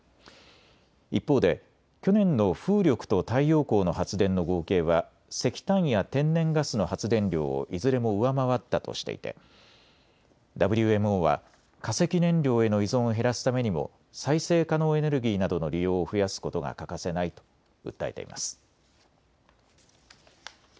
一方で去年の風力と太陽光の発電の合計は石炭や天然ガスの発電量をいずれも上回ったとしていてＷＭＯは化石燃料への依存を減らすためにも再生可能エネルギーなどの利用を増やすことが欠かせないと訴えています。